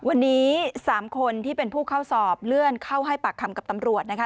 วันนี้๓คนที่เป็นผู้เข้าสอบเลื่อนเข้าให้ปากคำกับตำรวจนะคะ